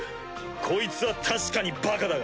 こいつは確かにバカだが。